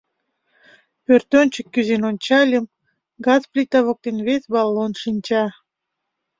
Пӧртӧнчык кӱзен ончальым, газ плита воктен вес баллон шинча.